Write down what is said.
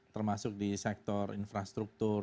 termasuk di sektor infrastruktur